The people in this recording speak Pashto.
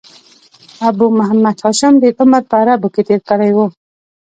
ابو محمد هاشم ډېر عمر په عربو کښي تېر کړی وو.